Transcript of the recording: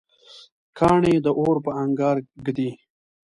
کاڼی د اور په انګار ږدي.